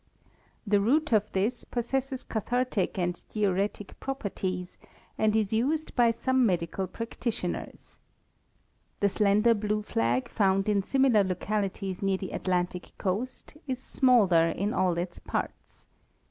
The root of this possesses cathartic and diuretic properties, and is used by some medical practitioners. The slender blue flag found in similar localities near the Atlantic coast, is smaller in all its parts.